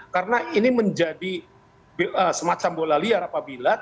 karena ini menjadi semacam bola liar apabila